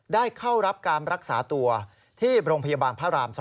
เข้ารับการรักษาตัวที่โรงพยาบาลพระราม๒